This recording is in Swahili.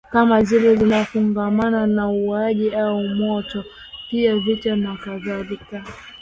Kama zile zinazofungamana na uuaji au moto pia vita na kadhalika